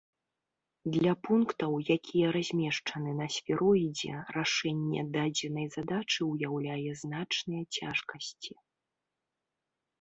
Для пунктаў, якія размешчаны на сфероідзе, рашэнне дадзенай задачы ўяўляе значныя цяжкасці.